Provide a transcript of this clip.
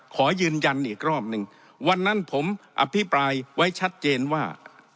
ขอยืนยันอีกรอบหนึ่งวันนั้นผมอภิปรายไว้ชัดเจนว่า